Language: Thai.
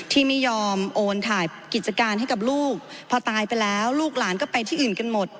ที่ไม่ยอมโอนถ่ายกิจการให้กับลูกพอตายไปแล้วลูกหลานก็ไปที่อื่นกันหมด